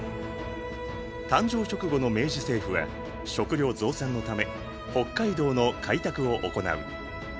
誕生直後の明治政府は食料増産のため北海道の開拓を行う。